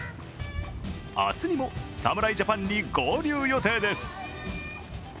明日にも侍ジャパンに合流予定です。